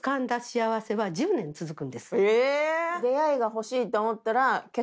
え！